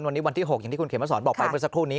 วันนี้วันที่๖อย่างที่คุณเขมสอนบอกไปเมื่อสักครู่นี้